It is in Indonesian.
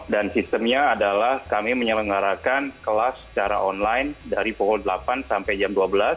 dan sistemnya adalah kami menyelenggarakan kelas secara online dari pukul delapan sampai jam dua belas